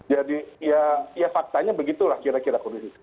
jadi ya ya faktanya begitulah kira kira kondisi